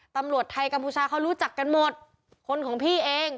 ตำรวจไทยกัมพูชาเขารู้จักกันหมดคนของพี่เอง